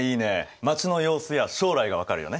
街の様子や将来が分かるよね。